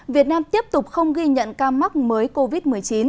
việt nam tiếp tục không ghi nhận ca mắc mới covid một mươi chín